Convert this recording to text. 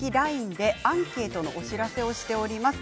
ＬＩＮＥでアンケートのお知らせをしております。